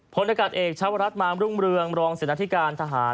พละกัดเอกชาวรัฐมารุงเรืองรองสนัทธิการทหาร